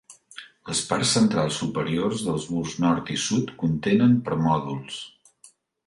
Les parts centrals superiors dels murs nord i sud contenen permòdols.